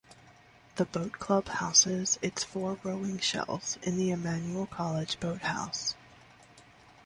The Boat Club houses its four rowing shells in the Emmanuel College boathouse.